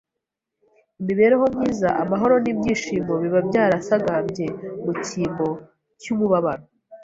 imibereho myiza, amahoro n’ibyishimo biba byarasagambye mu cyimbo cy’umubabaro